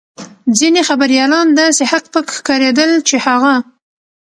ځینې خبریالان داسې هک پک ښکارېدل چې هغه.